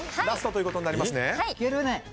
ラストということになりますね。